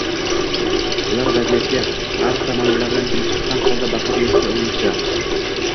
ular vaziyatga g‘arb tamoyillaridan kelib chiqqan holda baho berishga urinishdi.